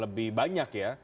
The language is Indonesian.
lebih banyak ya